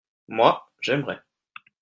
moi, j'aimerai.